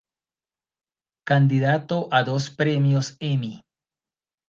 Candidato a dos Premios Emmy.